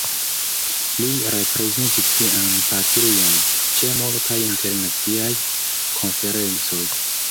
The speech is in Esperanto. Li reprezentis sian patrujon ĉe multaj internaciaj konferencoj.